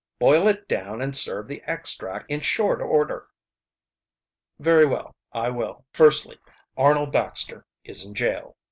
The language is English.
"Boil it down and serve the extract in short order." "Very well, I will. Firstly, Arnold Baxter is in jail.